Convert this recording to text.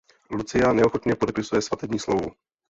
Lucia neochotně podepisuje svatební smlouvu.